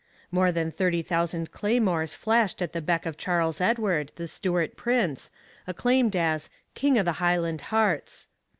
More than thirty thousand claymores flashed at the beck of Charles Edward, the Stuart prince, acclaimed as 'King o' the Highland hearts.'